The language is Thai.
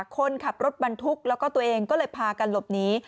คนขับรถบรรทุกแล้วก็ตัวเองก็เลยพากันหลบหนี